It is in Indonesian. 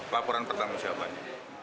laporan pertanggung jawabannya